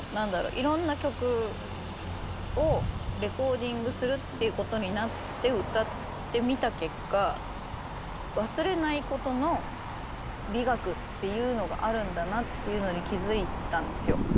いろんな曲をレコーディングするっていうことになって歌ってみた結果忘れないことの美学っていうのがあるんだなっていうのに気付いたんですよ。